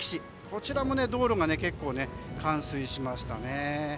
こちらも道路が結構冠水しましたね。